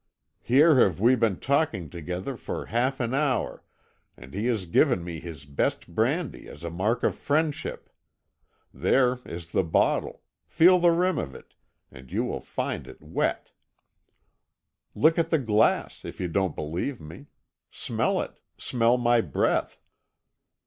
Here have we been talking together for half an hour, and he has given me his best brandy as a mark of friendship. There is the bottle feel the rim of it, and you will find it wet. Look at the glass, if you don't believe me. Smell it smell my breath.'